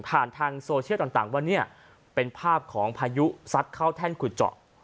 ทางโซเชียลต่างว่าเนี่ยเป็นภาพของพายุซัดเข้าแท่นขุดเจาะ